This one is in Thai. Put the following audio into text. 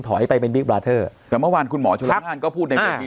ถอยไปเป็นบิ๊กบราเทอร์แต่เมื่อวันคุณหมอชุดงานก็พูดใน